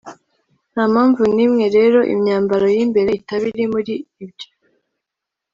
nta mpamvu n’imwe rero imyambaro y’imbere itaba iri muri ibyo